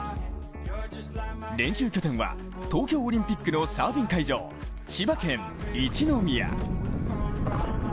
練習拠点は東京オリンピックのサーフィン会場、千葉県一宮。